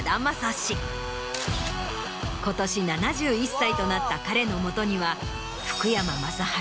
今年７１歳となった彼のもとには福山雅治